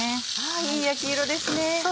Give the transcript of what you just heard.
いい焼き色ですね。